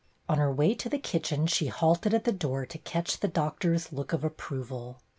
On her way to the kitchen she halted at the door to catch the Doctor's look of approval.